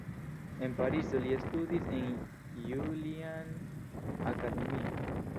En Parizo li studis en "Julian Akademio".